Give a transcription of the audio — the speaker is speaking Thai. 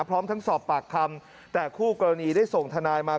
พร้อมทั้งสอบปากคำแต่คู่กรณีได้ส่งทนายมา